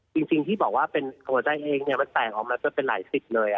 จริงที่บอกว่าเป็นหัวใจเองเนี่ยมันแตกออกมาจะเป็นหลายสิบเลย